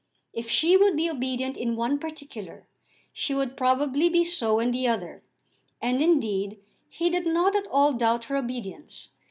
If she would be obedient in one particular, she would probably be so in the other; and, indeed, he did not at all doubt her obedience.